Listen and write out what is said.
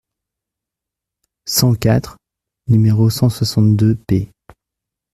cent quatre, nº cent soixante-deux ; p.